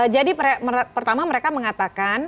jadi pertama mereka mengatakan